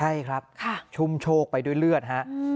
ใช่ครับชุ่มโชคไปด้วยเลือดฮะ